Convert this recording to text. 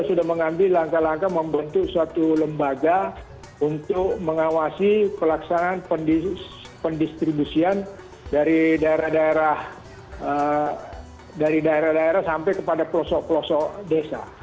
sudah mengambil langkah langkah membentuk suatu lembaga untuk mengawasi pelaksanaan pendistribusian dari daerah daerah dari daerah daerah sampai kepada pelosok pelosok desa